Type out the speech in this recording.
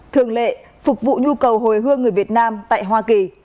thường lệ phục vụ nhu cầu hồi hương người việt nam tại hoa kỳ